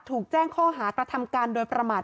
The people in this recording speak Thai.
ถูกแจ้งข้อหากระทำการโดยประมาท